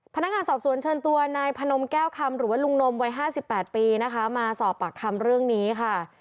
พนักงานสอบสวนเชิญตัวนายพนมแก้วคำหรือว่าลุงนมวัย๕๘ปีนะคะมาสอบปากคำเรื่องนี้ค่ะ